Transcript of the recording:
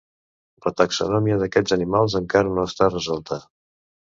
La taxonomia d'aquests animals encara no està resolta.